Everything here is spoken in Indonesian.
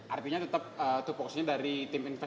artinya tetap itu fokusnya dari tim invest